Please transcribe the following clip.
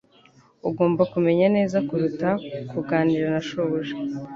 Ugomba kumenya neza kuruta kuganira na shobuja.